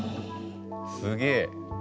すげえ。